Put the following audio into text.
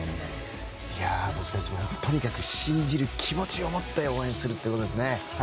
僕たちもとにかく信じる気持ちを持って応援するということですね。